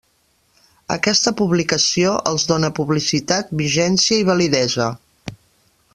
Aquesta publicació els dóna publicitat, vigència i validesa.